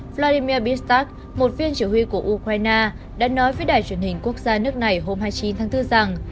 vladimir pistak một viên chỉ huy của ukraine đã nói với đài truyền hình quốc gia nước này hôm hai mươi chín tháng bốn rằng